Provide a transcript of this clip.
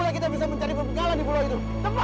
saya melihat putri arimbi ada di pulau itu